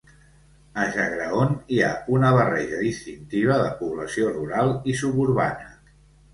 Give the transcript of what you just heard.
A Jagraon hi ha una barreja distintiva de població rural i suburbana.